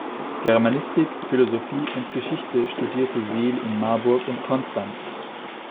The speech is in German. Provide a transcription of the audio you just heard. Germanistik, Philosophie und Geschichte studierte Seel in Marburg und Konstanz.